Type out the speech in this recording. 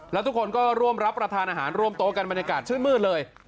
แล้วทุกคนก็ร่วมรับประทานอาหารร่วมโต๊ะกันบรรยากาศชื่นมืดเลย